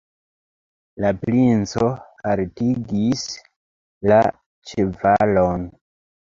La princo haltigis la ĉevalon.